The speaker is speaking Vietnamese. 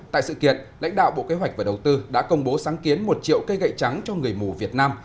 tại sự kiện lãnh đạo bộ kế hoạch và đầu tư đã công bố sáng kiến một triệu cây gậy trắng cho người mù việt nam